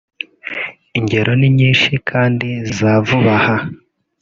ingero ni nyinshi kandi za vuba aha